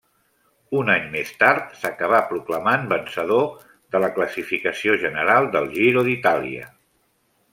Un any més tard s'acabà proclamant vencedor de la classificació general del Giro d'Itàlia.